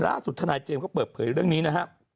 ล่าสุธนายเจมส์ก็เปิดเผยเรื่องนี้นะฮะ